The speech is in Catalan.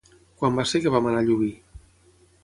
Quan va ser que vam anar a Llubí?